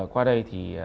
qua đây thì